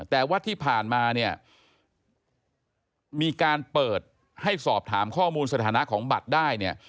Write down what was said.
แต่ว่าที่ผ่านมาเนี่ยมีการเปิดให้สอบถามข้อมูลสถานะของบัตรได้เนี่ย